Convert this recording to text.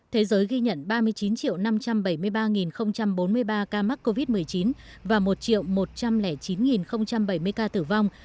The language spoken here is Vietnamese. thế giới ghi nhận ba mươi chín năm trăm bảy mươi ba bốn mươi ba ca mắc covid một mươi chín và một một trăm linh chín bảy mươi ca tử vong